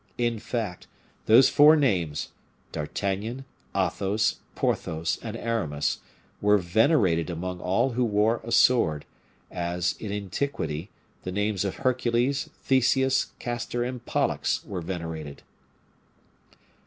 In fact, those four names D'Artagnan, Athos, Porthos, and Aramis were venerated among all who wore a sword; as, in antiquity, the names of Hercules, Theseus, Castor, and Pollux were venerated.